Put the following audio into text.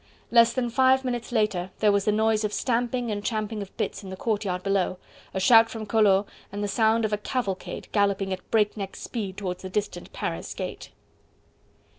Less than five minutes later there was the noise of stamping and champing of bits in the courtyard below, a shout from Collot, and the sound of a cavalcade galloping at break neck speed towards the distant Paris gate.